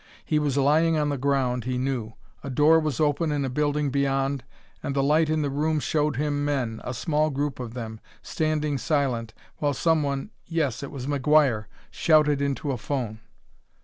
He was lying on the ground, he knew: a door was open in a building beyond, and the light in the room showed him men, a small group of them, standing silent while someone yes, it was McGuire shouted into a phone.